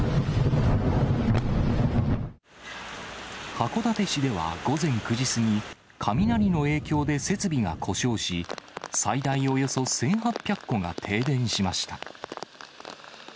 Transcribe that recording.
函館市では午前９時過ぎ、雷の影響で設備が故障し、最大およそ１８００戸が停電しました。